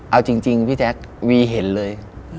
เอาจริงพี่แจ๊ควีเห็นเลย